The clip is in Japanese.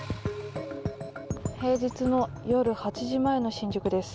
平日の夜８時前の新宿です。